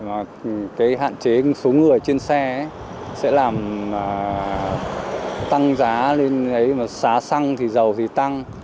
cái hạn chế số người trên xe sẽ làm tăng giá lên đấy mà xá xăng thì giàu thì tăng